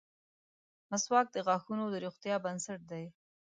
• مسواک د غاښونو د روغتیا بنسټ دی.